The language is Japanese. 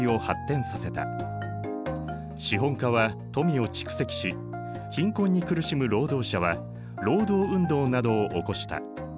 資本家は富を蓄積し貧困に苦しむ労働者は労働運動などを起こした。